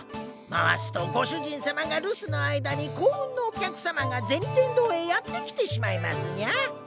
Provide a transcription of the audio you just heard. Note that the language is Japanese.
回すとご主人様が留守の間に幸運のお客様が銭天堂へやって来てしまいますニャ。